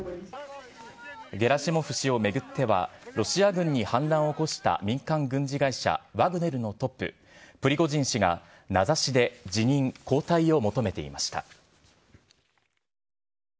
ゲラシモフ氏を巡っては、ロシア軍に反乱を起こした民間軍事会社、ワグネルのトップ、プリゴジン氏が名指しで辞任・交代を求めていました。